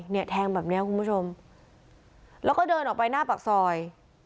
เนี่ยแทงแบบเนี้ยคุณผู้ชมแล้วก็เดินออกไปหน้าปากซอย